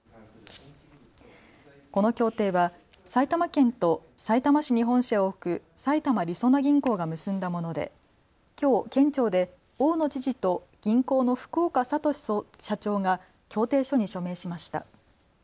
この協定は埼玉県とさいたま市に本社を置く埼玉りそな銀行が結んだものできょう県庁で大野知事と銀行の福岡聡社長が協定書に署名しました。